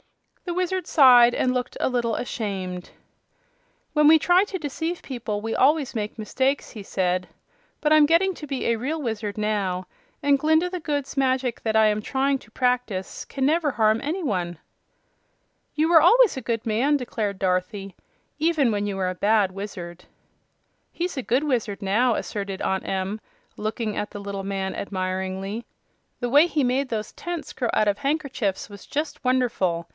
The Wizard sighed and looked a little ashamed. "When we try to deceive people we always make mistakes," he said. "But I'm getting to be a real wizard now, and Glinda the Good's magic, that I am trying to practice, can never harm any one." "You were always a good man," declared Dorothy, "even when you were a bad wizard." "He's a good wizard now," asserted Aunt Em, looking at the little man admiringly. "The way he made those tents grow out of handkerchiefs was just wonderful!